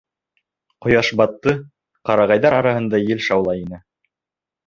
Ҡояш батты, ҡарағайҙар араһында ел шаулай ине.